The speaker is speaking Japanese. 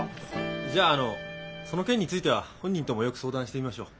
じゃああのその件については本人ともよく相談してみましょう。